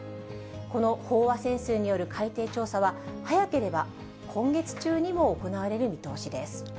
この飽和潜水による海底調査は、早ければ今月中にも行われる見通しです。